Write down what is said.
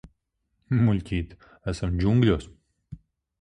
Muļķīt, esam džungļos.